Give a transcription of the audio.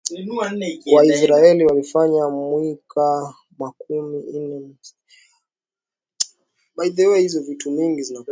Wa isiraeli walifanya mwika makumi ine mu safari